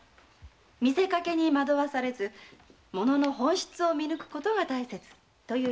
見せかけに惑わされず物の本質を見抜くことが大切という意味ですよ。